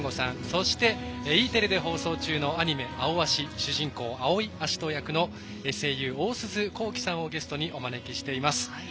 そして、Ｅテレで放送中のアニメ「アオアシ」主人公・青井葦人役の声優、大鈴功起さんをゲストにお招きしています。